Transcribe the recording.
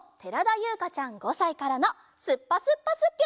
ゆうかちゃん５さいからの「すっぱすっぱすっぴょ！」